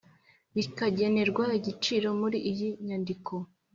bikanagenerwa igiciro muri iyi nyandiko